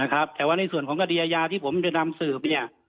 นะครับแต่ว่าในส่วนของกระดียาที่ผมจะนำสืบเนี่ย